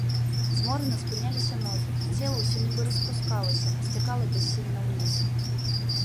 Зморана спыняліся ногі, цела ўсё нібы распускалася, сцякала бяссільна ўніз.